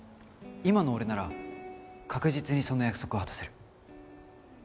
今の俺なら確実にその約束を果たせる。